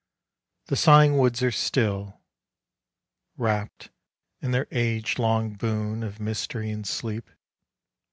The sighing woods are still — Wrapp'd in their age long boon Of mystery and sleep.